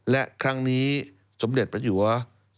และครั้งนี้สมเด็จเมื่ออยู่ว่า